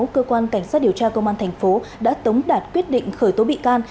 cơ quan cảnh sát điều tra công an thành phố đã tống đạt quyết định khởi tố bị can